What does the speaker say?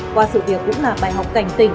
qua sự việc cũng là bài học cảnh tình